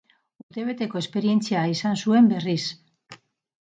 Urtebeteko esperientzia izan zuen berriz.